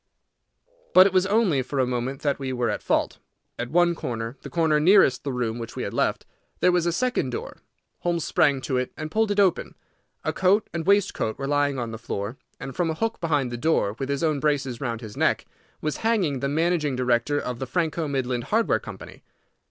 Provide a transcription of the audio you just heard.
But it was only for a moment that we were at fault. At one corner, the corner nearest the room which we had left, there was a second door. Holmes sprang to it and pulled it open. A coat and waistcoat were lying on the floor, and from a hook behind the door, with his own braces round his neck, was hanging the managing director of the Franco Midland Hardware Company.